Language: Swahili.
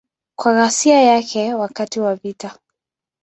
Kwa ghasia yake wakati wa vita.